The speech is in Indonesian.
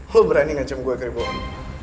lo berani ngancem gue ke ribuan